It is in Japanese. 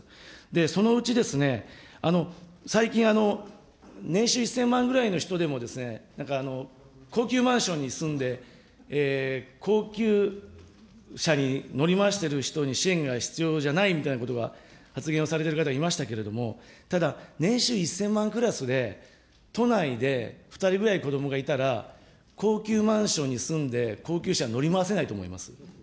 そのうちですね、最近、年収１０００万円ぐらいの人でもなんか高級マンションに住んで、高級車に乗り回している人に支援が必要じゃないみたいなことが、発言をされてる方いましたけれども、ただ、年収１０００万クラスで、都内で２人ぐらい子どもがいたら、高級マンションに住んで、高級車に乗り回せないと思います。